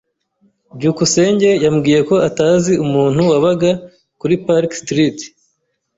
byukusenge yambwiye ko atazi umuntu wabaga kuri Park Street.